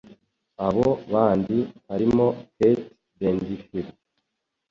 abo bandi harimo Kate Bedingfield.